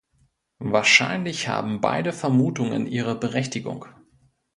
Wahrscheinlich haben beide Vermutungen ihre Berechtigung.